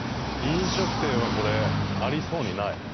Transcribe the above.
飲食店はこれありそうにないね。